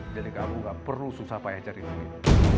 jadi kamu gak perlu susah payah cari duit